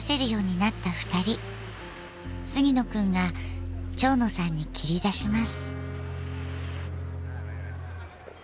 杉野くんが蝶野さんに切り出します。